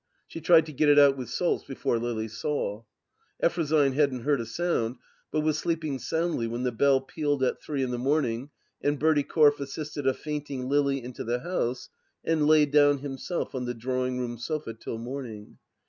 She tried to get it out with salts before Lily saw. Effrosyne hadn't heard a sound, but was sleeping soundly when the bell pealed at three in the morning and Bertie Corfe assisted a fainting Lily into the house and laid down himself on the drawing room sofa till morning.